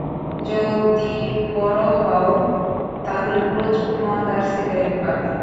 যদি বড়ো হও, তাহলে প্রচুর মদ আর সিগারেট পাবে।